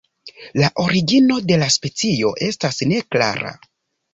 La origino de la specio estas neklara.